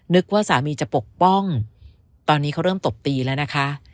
ว่าสามีจะปกป้องตอนนี้เขาเริ่มตบตีแล้วนะคะ